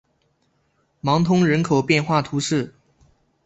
芒通人口变化图示